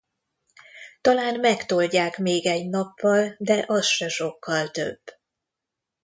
Talán megtoldják még egy nappal, de az se sokkal több.